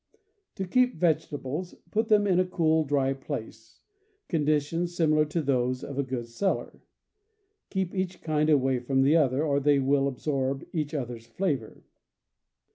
To keep vegetables, put them in a cool, dry place (conditions similar to those of a good cellar). Keep each kind away from the other, or they will absorb each other's flavor.